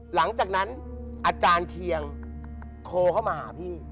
หลังจากนั้นอาจารย์เชียงโทรเข้ามาหาพี่